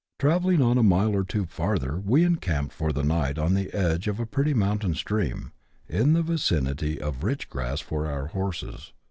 Travelling on a mile or two farther, we encamped for the night on the edge of a pretty mountain stream, in the vicinity of rich grass for our horses.